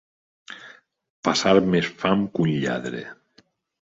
Passar més fam que un lladre.